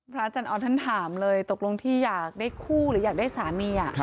อาจารย์ออนท่านถามเลยตกลงที่อยากได้คู่หรืออยากได้สามี